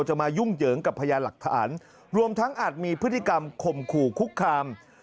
มายุ่งเหยิงกับพยานหลักฐานรวมทั้งอาจมีพฤติกรรมข่มขู่คุกคาม